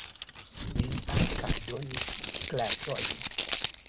Li ankaŭ donis klasojn.